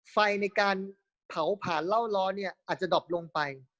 ไฟในการเผาผ่านเหล้าล้อเนี่ยอาจจะดอบลงไป